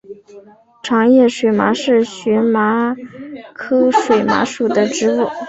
长叶水麻是荨麻科水麻属的植物。